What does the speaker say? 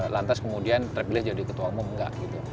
lantas kemudian terpilih jadi ketua umum nggak gitu